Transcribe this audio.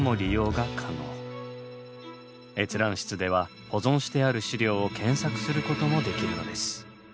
閲覧室では保存してある資料を検索することもできるのです。